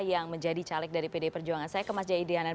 yang menjadi caleg dari pdi perjuangan saya ke mas jaya diana